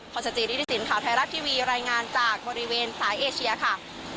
พลอยสจีริฐิสินค่ะไทยรักทีวีรายงานจากบริเวณสายเอเชียค่ะ